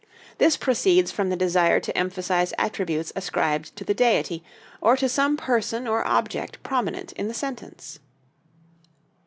This proceeds from the desire to emphasize attributes ascribed to the deity, or to some person or object prominent in the sentence.